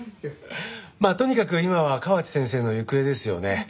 まあとにかく今は河内先生の行方ですよね。